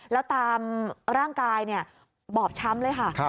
แล้วตามร่างกายบอบช้ำเลยค่ะ